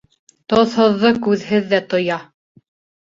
Тоҙһоҙҙо күҙһеҙ ҙә тоя.